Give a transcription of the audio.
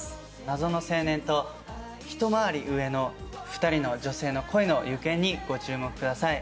謎の青年とひと回り上の２人の女性の恋の行方にご注目ください。